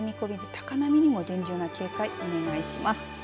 高波にも厳重な警戒お願いします。